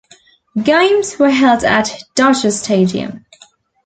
Games were held at Dodger Stadium.